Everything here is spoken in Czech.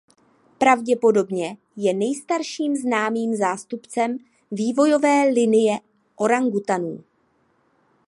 Pravděpodobně je nejstarším známým zástupcem vývojové linie orangutanů.